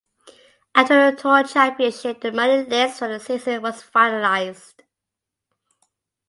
After the Tour Championship, the money list for the season was finalized.